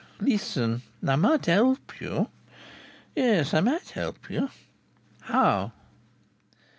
"Listen! I might help you. Yes, I might help you." "How?"